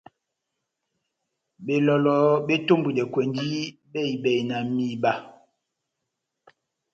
Belɔlɔ betombwidɛkwɛndi bɛhi-bɛhi na mihiba.